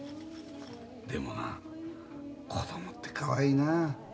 でもな子供ってかわいいなあ。